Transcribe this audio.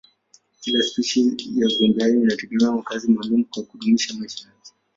Kila spishi ya viumbehai inategemea makazi maalumu kwa kudumisha maisha yake.